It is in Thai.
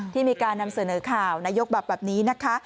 ที่มีการนำเสนอข่าวนายกบอกแบบนี้นะคะ